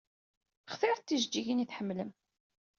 Xtiret tijeǧǧigin i tḥemmlem.